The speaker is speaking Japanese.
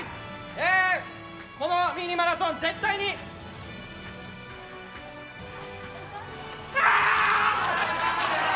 このミニマラソン絶対にあー！